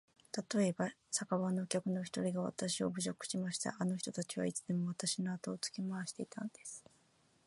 たとえば、酒場のお客の一人がわたしを侮辱しました。あの人たちはいつでもわたしのあとをつけ廻していたんです。